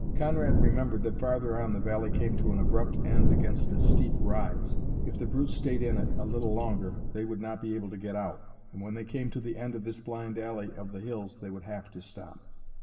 Conrad remembered that farther on the valley came to an abrupt end against a steep rise. If the brutes stayed in it a little longer they would not be able to get out, and when they came to the end of this blind alley of the hills they would have to stop.